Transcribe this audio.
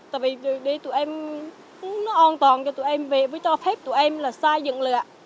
tại vì để tụi em nó an toàn cho tụi em về với cho phép tụi em là xa dựng lựa